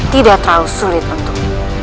tidak terlalu sulit untuk